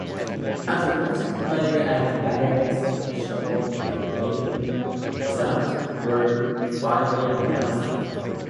After much waiting and various shows in between, the results were finally announced.